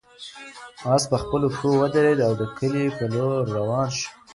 آس په خپلو پښو ودرېد او د کلي په لور روان شو.